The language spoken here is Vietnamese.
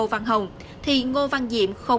và giới thiệu